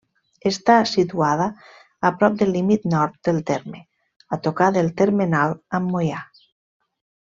Està situada a prop del límit nord del terme, a tocar del termenal amb Moià.